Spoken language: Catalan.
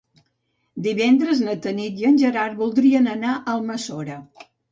Divendres na Tanit i en Gerard voldrien anar a Almassora.